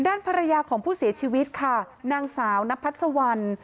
ด้านภรรยาของผู้เสียชีวิตค่ะนางสาวนพัดสวรรณ